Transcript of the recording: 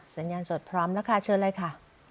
สัญญาณสดพร้อมแล้วค่ะเชิญเลยค่ะ